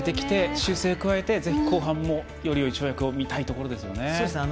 修正を加えて後半もよりよい跳躍を見たいです。